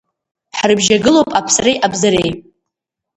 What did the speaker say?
Ҳрыбжьагылоуп аԥсреи абзареи…